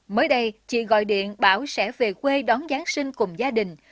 mới đây chị gọi điện bảo sẽ về quê đón giáng sinh cùng gia đình